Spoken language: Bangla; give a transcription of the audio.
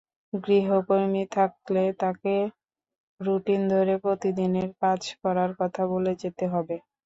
গৃহকর্মী থাকলে তাকে রুটিন ধরে প্রতিদিনের কাজ করার কথা বলে যেতে হবে।